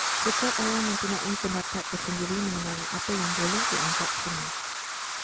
Setiap orang mempunyai pendapat tersendiri mengenai apa yang boleh dianggap seni.